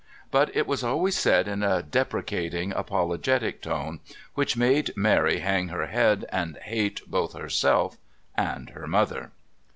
but it was always said in a deprecating, apologetic tone, which made Mary hang her head and hate both herself and her mother.